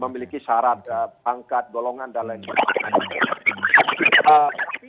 memiliki syarat angkat golongan dan lain lain